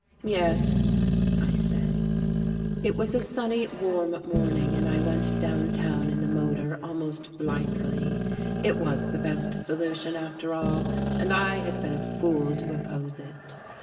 "Yes," I said. It was a sunny, warm morning, and I went downtown in the motor almost blithely. It was the best solution after all, and I had been a fool to oppose it....